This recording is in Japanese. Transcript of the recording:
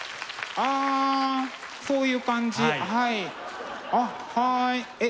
ああそういう感じ？